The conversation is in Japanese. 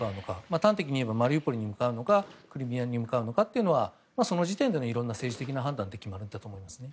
端的に言えばマリウポリに向かうのかクリミアに向かうのかというのはその時点でのいろいろな政治的判断で決まると思います。